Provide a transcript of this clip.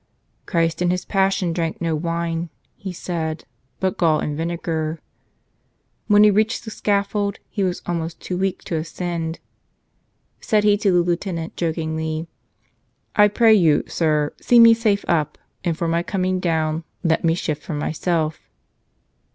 "Christ in His Passion drank no wine," he said, "but gall and vinegar." When he reached the scaffold he was al¬ most too weak to ascend. Said he to the Lieutenant, jokingly, "I pray you, sir, see me safe up, and for my coming down let me shift for myself."